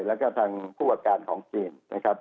แล้วก็ทางผู้ประการของจีนนะครับ